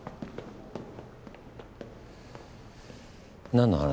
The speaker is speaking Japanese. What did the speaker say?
何の話？